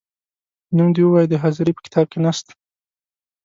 نوم دي ووایه د حاضرۍ په کتاب کې نه سته ،